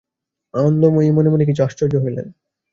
আনন্দময়ী মনে মনে কিছু আশ্চর্য হইলেন।